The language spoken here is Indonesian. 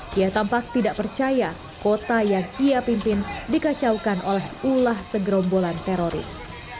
dia tampak tidak percaya kota yang ia pimpin dikacaukan oleh ulah segerombolan teroris